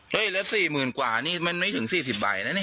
เฮ้ยแล้ว๔๐๐๐๐กว่านี่มันไม่ถึง๔๐บาทนะนี่